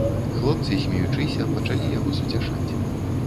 Хлопцы, смеючыся, пачалі яго суцяшаць.